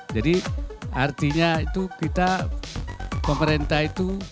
jadi artinya itu kita pemerintah itu